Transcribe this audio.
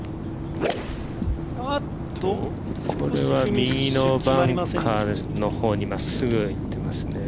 右のバンカーのほうに真っすぐ行っていますね。